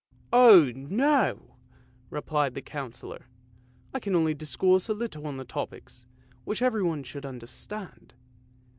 *' Oh no! " replied the Councillor; " I can only discourse a little on topics which everyone should understand."